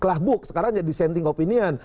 kelah buk sekarang disenting opinion